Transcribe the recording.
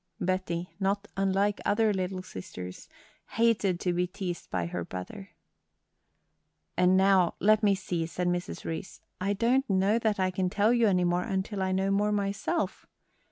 Betty, not unlike other little sisters, hated to be teased by her brother. "And now, let me see," said Mrs. Reece. "I don't know that I can tell you any more until I know more myself.